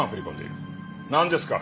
なんですか？